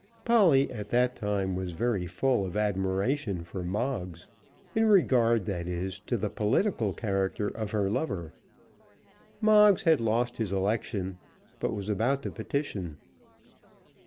Polly at that time was very full of admiration for Moggs, in regard, that is, to the political character of her lover. Moggs had lost his election, but was about to petition.